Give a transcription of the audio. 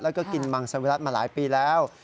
แล้วก็กินมังสวิรัติมาหลายปีแล้ว